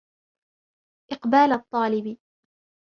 إقْبَالَ الطَّالِبِ